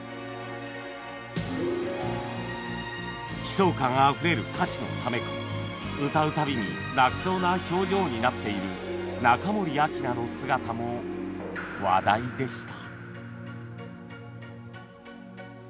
悲壮感あふれる歌詞のためか歌う度に泣きそうな表情になっている中森明菜の姿も話題でした